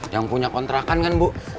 yang punya kontrakan kan bu